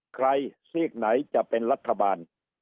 ซีกไหนจะเป็นรัฐบาล